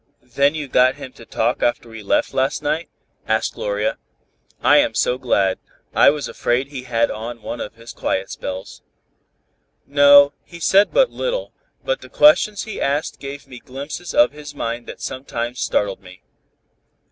"Then you got him to talk after we left last night. I am so glad. I was afraid he had on one of his quiet spells." "No, he said but little, but the questions he asked gave me glimpses of his mind that sometimes startled me.